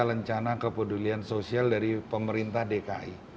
rencana kepedulian sosial dari pemerintah dki